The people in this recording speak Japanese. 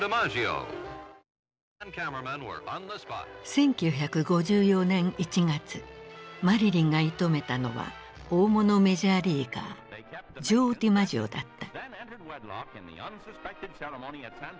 １９５４年１月マリリンが射止めたのは大物メジャーリーガージョー・ディマジオだった。